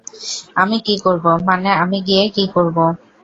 আমি কি করবো, মানে, আমি গিয়ে কি করবো?